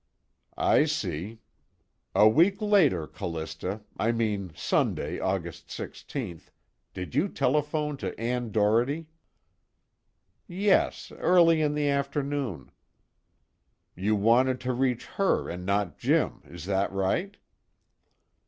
"I see. A week later, Callista I mean Sunday, August 16th did you telephone to Ann Doherty?" "Yes, early in the afternoon." "You wanted to reach her and not Jim, is that right?"